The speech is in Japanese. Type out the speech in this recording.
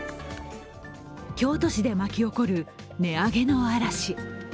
京都市で巻き起こる値上げの嵐。